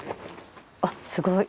あっすごい。